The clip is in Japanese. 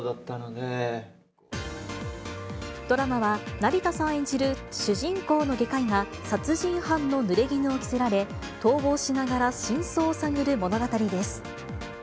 ドラマは、成田さん演じる主人公の外科医が殺人犯のぬれぎぬを着せられ、逃亡しながら真相を探る物語です。